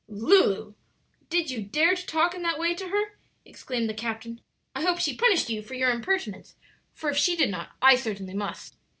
"Lulu I did you dare to talk in that way to her?" exclaimed the captain. "I hope she punished you for your impertinence; for if she did not I certainly must."